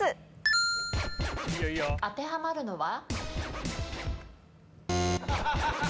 当てはまるのは？